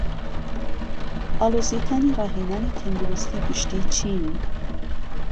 ئاڵۆزیەکانی ڕاهێنانی تەندروستی گشتی چین؟